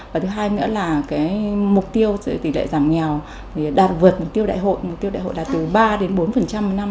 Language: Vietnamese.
và thứ hai nữa là mục tiêu tỷ lệ giảm nghèo đạt vượt mục tiêu đại hội mục tiêu đại hội đạt từ ba đến bốn một năm